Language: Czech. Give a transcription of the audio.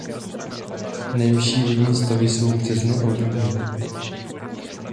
Nejvyšší vodní stavy jsou v březnu a v dubnu.